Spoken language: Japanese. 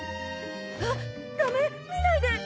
あっダメ見ないで！